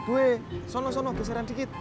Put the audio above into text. bentar ya pak